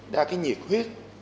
ra cái nhiệt huyết